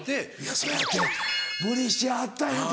そうやって無理しはったんやて。